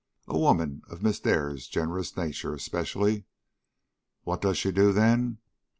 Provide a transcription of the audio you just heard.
A woman of Miss Dare's generous nature especially. What does she do, then?